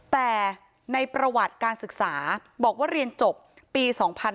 แต่ในประวัติการศึกษาบอกว่าเรียนจบปี๒๕๕๙